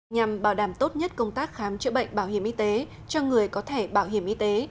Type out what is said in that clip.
nhằm bảo đảm tốt nhất công tác khám chữa bệnh bảo hiểm y tế cho người có thẻ bảo hiểm y tế